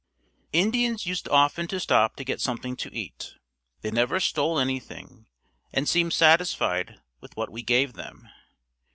Indians used often to stop to get something to eat. They never stole anything and seemed satisfied with what we gave them.